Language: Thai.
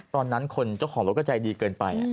ตอนนั้นคนเจ้าของรถก็ใจดีเกินไป